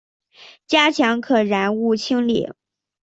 加强可燃物清理